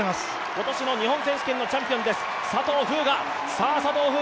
今年の日本選手権のチャンピオンです、佐藤風雅。